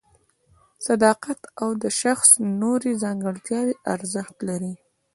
صداقت او د شخص نورې ځانګړتیاوې ارزښت لري.